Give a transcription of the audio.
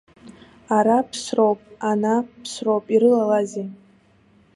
Ара ԥсроуп, ана ԥсроуп, ирылалазеи!